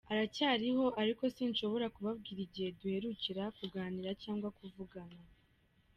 Aracyariho ariko sinshobora kubabwira igihe duherukira kuganira cyangwa kuvugana.